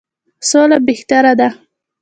سوله بهتره ده.